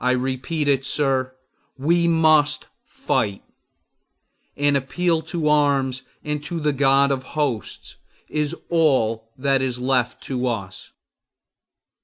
I repeat it, sir, we must fight! An appeal to arms and to the God of Hosts is all that is left us!